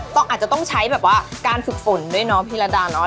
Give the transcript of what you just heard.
อาจจะต้องใช้แบบว่าการฝึกฝนด้วยเนาะพี่ระดาเนาะ